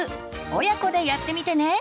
親子でやってみてね！